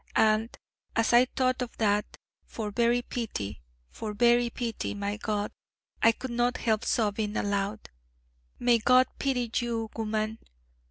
And as I thought of that for very pity, for very pity, my God I could not help sobbing aloud: 'May God pity you, woman!'